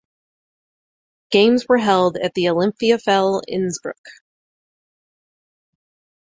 Games were held at the Olympiahalle Innsbruck.